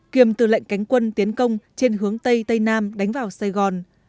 kiềm tư lệnh cánh quân tiến công trên hướng tây tây nam đánh vào sài gòn